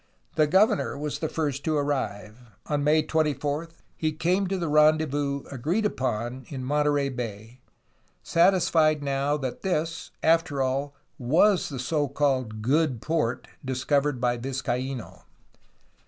The governor was the first to arrive. On May 24 he came to the rendezvous agreed upon in Monterey Bay, satisfied now that this, after all, was the so called good port discovered by Vizcaino.